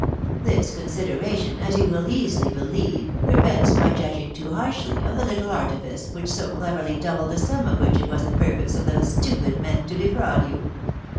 This consideration, as you will easily believe, prevents my judging too harshly of the little artifice which so cleverly doubled the sum of which it was the pur pose of those stupid men to defraud you.